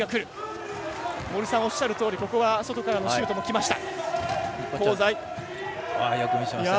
森さんがおっしゃるとおりここは外からのシュートでした。